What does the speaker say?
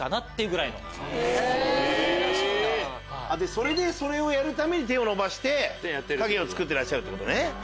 それでそれをやるために手を伸ばして影をつくってるってことね。